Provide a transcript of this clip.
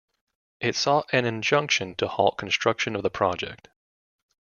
It sought an injunction to halt construction of the project.